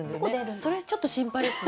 それちょっと心配ですね。